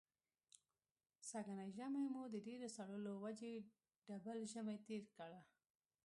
سږنی ژمی مو د ډېرو سړو له وجې ډبل ژمی تېر کړ.